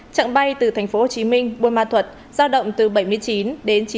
chặng bay từ tp hcm bôn ma thuật giao động từ bảy mươi chín đến chín mươi bốn